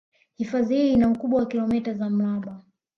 Hifadhi hii ina ukubwa wa kilometa za mraba